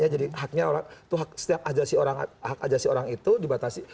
jadi haknya orang itu setiap ajasi orang itu dibatasi